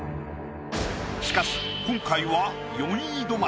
しかし今回は４位止まり。